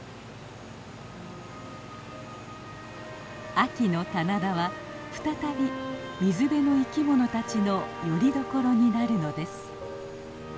秋の棚田は再び水辺の生き物たちのよりどころになるのです。